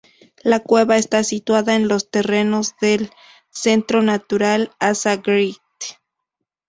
La cueva está situada en los terrenos del Centro Natural Asa Wright.